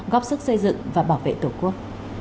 góp sức xây dựng và bảo vệ tổ quốc